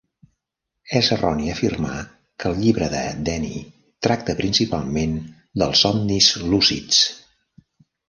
És erroni afirmar que el llibre del Deny tracta principalment dels somnis lúcids.